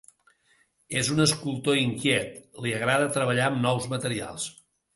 És un escultor inquiet: li agrada treballar amb nous materials.